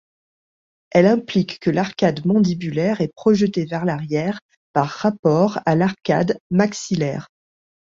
Elle implique que l'arcade mandibulaire est projetée vers l'arrière par rapport à l'arcade maxillaire.